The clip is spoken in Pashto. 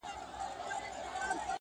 څوک چي ستا په قلمرو کي کړي ښکارونه٫